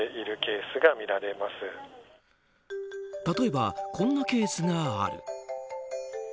例えば、こんなケースがある。